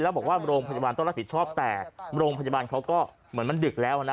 แล้วบอกว่าโรงพยาบาลต้องรับผิดชอบแต่โรงพยาบาลเขาก็เหมือนมันดึกแล้วนะ